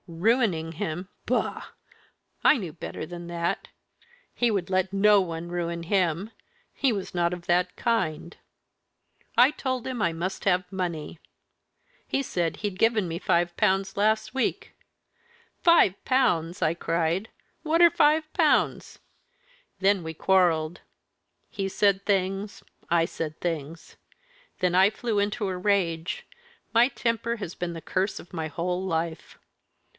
Ruining him? bah! I knew better than that. He would let no one ruin him he was not of that kind. I told him I must have money. He said he'd given me five pounds last week. 'Five pounds!' I cried; 'what are five pounds?' Then we quarrelled he said things, I said things. Then I flew into a rage; my temper has been the curse of my whole life.